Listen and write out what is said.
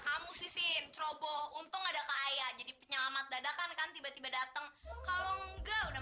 kamu sih cerobo untung ada ke ayah jadi penyelamat dadakan kan tiba tiba datang kalau enggak udah